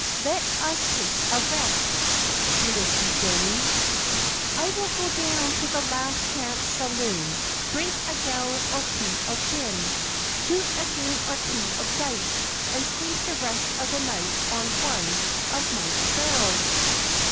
Let us take a rest, M'Lissy Jane. I will go down to the Last Chance Saloon, drink a gallon or two of gin, shoot a game or two of dice and sleep the rest of the night on one of Mike's barrels.